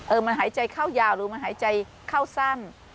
มันหายใจเข้ายาวหรือมันหายใจเข้าสั้น